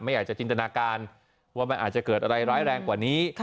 อยากจะจินตนาการว่ามันอาจจะเกิดอะไรร้ายแรงกว่านี้